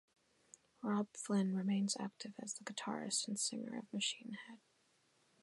Robb Flynn remains active as the guitarist and singer of Machine Head.